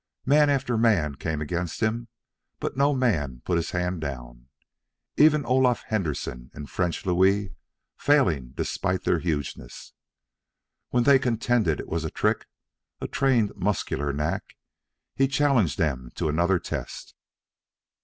Man after man came against him, but no man put his hand down, even Olaf Henderson and French Louis failing despite their hugeness. When they contended it was a trick, a trained muscular knack, he challenged them to another test.